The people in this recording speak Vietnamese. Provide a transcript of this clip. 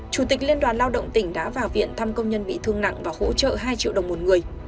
chủ tịch liên đoàn lao động tỉnh đã vào viện thăm công nhân bị thương nặng và hỗ trợ hai triệu đồng một người